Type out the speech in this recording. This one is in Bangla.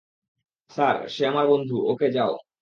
স্যার, সে আমার বন্ধু - ওকে যাও।